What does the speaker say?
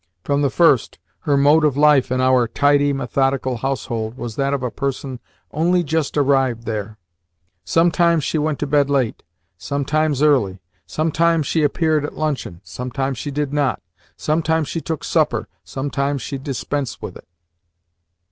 From the first, her mode of life in our tidy, methodical household was that of a person only just arrived there. Sometimes she went to bed late, sometimes early; sometimes she appeared at luncheon, sometimes she did not; sometimes she took supper, sometimes she dispensed with it.